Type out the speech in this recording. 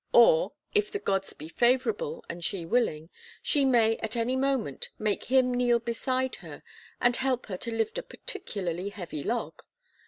Or if the gods be favourable and she willing, she may at any moment make him kneel beside her and help her to lift a particularly heavy log.